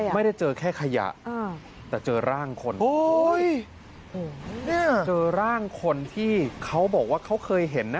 ไม่ได้เจอแค่ขยะแต่เจอร่างคนโอ้ยเจอร่างคนที่เขาบอกว่าเขาเคยเห็นนะ